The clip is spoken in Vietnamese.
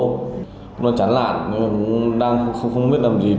em cũng chán lạn không biết làm gì